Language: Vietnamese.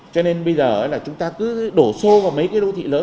cho nên bây giờ là chúng ta cứ đổ xô vào mấy cái đô thị lớn